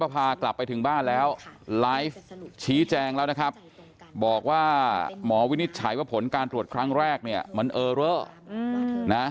พากลับไปถึงบ้านแล้วไลฟ์ชี้แจงแล้วนะครับบอกว่าหมอวินิจฉัยว่าผลการตรวจครั้งแรกเนี่ยมันเออเรอนะ